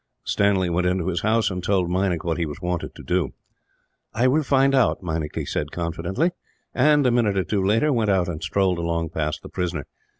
Stanley went into his house and told Meinik what he was wanted to do. "I will find out," Meinik said confidently and, a minute or two later, went out and strolled along past the prisoner.